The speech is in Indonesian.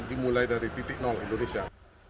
dimulai dari titik indonesia